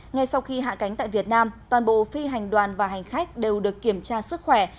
ngay sau khi hạ cánh tại việt nam toàn bộ phi hành đoàn và hành khách đều được kiểm tra sức khỏe